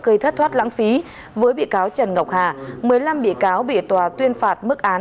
gây thất thoát lãng phí với bị cáo trần ngọc hà một mươi năm bị cáo bị tòa tuyên phạt mức án